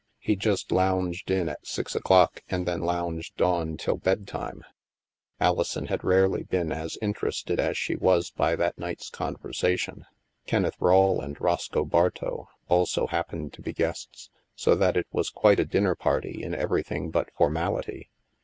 He just lounged in at six o'clock and then lounged on till bedtime. Alison had rarely been as interested as she was by that night's conversation. Kenneth Rawle and Roscoe Bartow also happened to be guests, so that it was quite a dinner party in everything but formality.